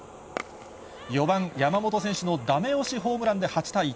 ４番山本選手のだめ押しホームランで８対１。